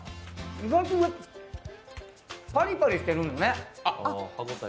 意外とパリパリしてるのね。